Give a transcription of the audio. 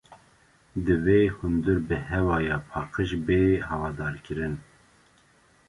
Divê hundir bi hewaya paqîj bê hawadarkirin